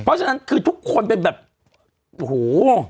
เพราะฉะนั้นทุกคนหูหู